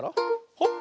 ほっ！